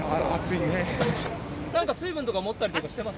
なんか水分とか持ったりしてます？